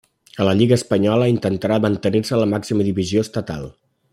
A la Lliga Espanyola intentarà mantenir-se a la màxima divisió estatal.